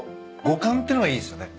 五感ってのがいいですよね。